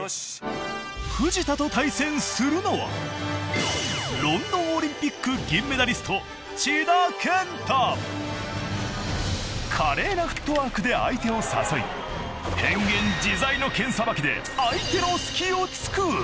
藤田と対戦するのはロンドンオリンピック銀メダリスト華麗なフットワークで相手を誘い変幻自在の剣さばきで相手の隙を突く！